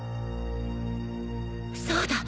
そうだ！